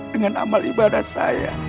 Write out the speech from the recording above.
dengan amal ibadah saya